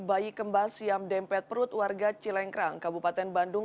bayi kembar siam dempet perut warga cilengkrang kabupaten bandung